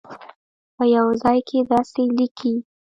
په یوه ځای کې داسې لیکي.